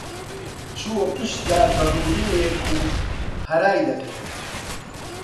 چووە پشت دارە بەڕوونێیەک و هەرای دەکرد.